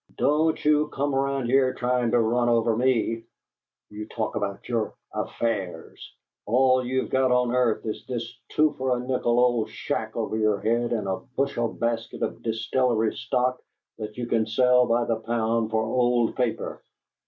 "Don't you come around here trying to run over me! You talk about your 'affairs'! All you've got on earth is this two for a nickel old shack over your head and a bushel basket of distillery stock that you can sell by the pound for old paper!"